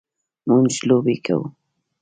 مونږ لوبې کوو